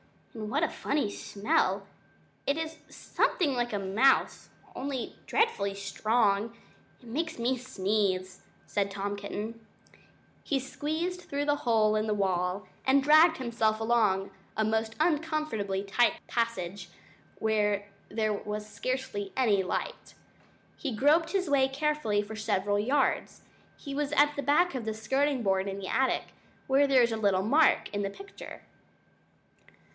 And what a funny smell? It is something like mouse, only dreadfully strong. It makes me sneeze," said Tom Kitten. He squeezed through the hole in the wall and dragged himself along a most uncomfortably tight passage where there was scarcely any light. He groped his way carefully for several yards; he was at the back of the skirting board in the attic, where there is a little mark * in the picture.